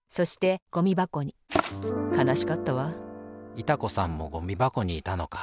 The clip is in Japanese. いた子さんもゴミばこにいたのか。